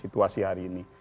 situasi hari ini